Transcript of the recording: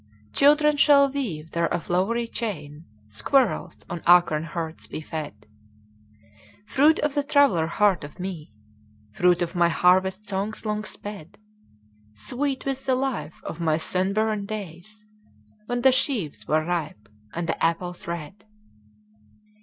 Children shall weave there a flowery chain, Squirrels on acorn hearts be fed:— Fruit of the traveller heart of me, Fruit of my harvest songs long sped: Sweet with the life of my sunburned days When the sheaves were ripe, and the apples red.